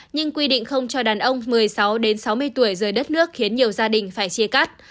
nhưng quy định không cho đàn ông một mươi sáu sáu mươi tuổi rời đất nước khiến nhiều gia đình phải chia cắt